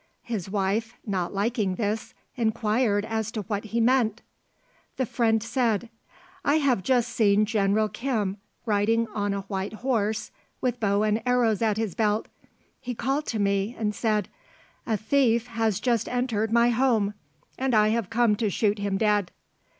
His wife, not liking this, inquired as to what he meant. The friend said, "I have just seen General Kim riding on a white horse, with bow and arrows at his belt. He called to me and said, 'A thief has just entered my home, and I have come to shoot him dead.'